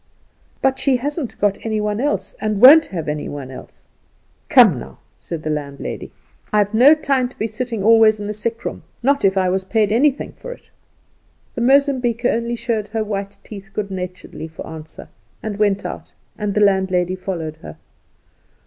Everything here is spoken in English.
"But she hasn't got any one else, and won't have any one else. Come, now," said the landlady, "I've no time to be sitting always in a sickroom, not if I was paid anything for it." The Mozambiquer only showed her white teeth good naturedly for answer, and went out, and the landlady followed her.